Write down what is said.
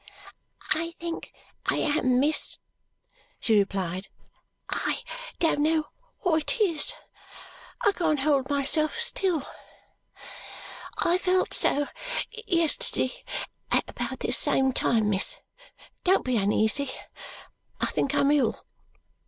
"I think I am, miss," she replied. "I don't know what it is. I can't hold myself still. I felt so yesterday at about this same time, miss. Don't be uneasy, I think I'm ill."